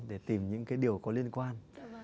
để tìm những cái điều có liên quan